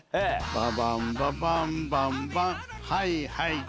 ババンババンバンバンはいはい！